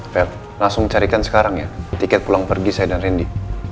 fair langsung carikan sekarang ya tiket pulang pergi saya dan randy